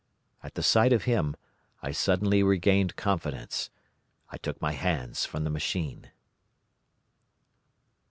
At the sight of him I suddenly regained confidence. I took my hands from the machine.